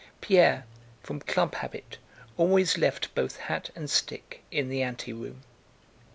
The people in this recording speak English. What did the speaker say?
Pierre, from club habit, always left both hat and stick in the anteroom.